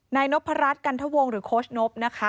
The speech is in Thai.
นายนพรัชกันทวงหรือโค้ชนบนะคะ